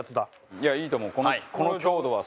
いやいいと思う。